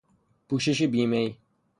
پوشش بیمه ای